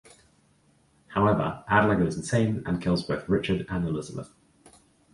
However, Adler goes insane, and kills both Richard and Elizabeth.